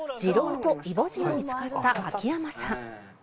痔瘻とイボ痔が見つかった秋山さん」